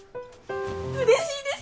嬉しいです！